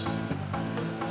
saya boleh minta ciptaan